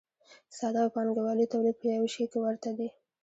ساده او پانګوالي تولید په یوه شي کې ورته دي.